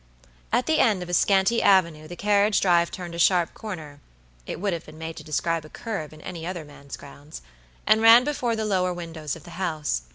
At the end of a scanty avenue the carriage drive turned a sharp corner (it would have been made to describe a curve in any other man's grounds) and ran before the lower windows of the house.